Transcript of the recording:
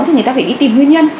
thì người ta phải đi tìm nguyên nhân